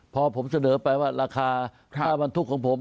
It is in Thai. พอผมเสนอไปว่าราคาค่าบรรทุกของผม